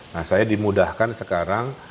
nah saya dimudahkan sekarang